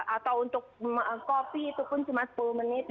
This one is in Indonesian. atau untuk kopi itu pun cuma sepuluh menit